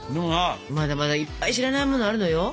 まだまだいっぱい知らないものあるのよ。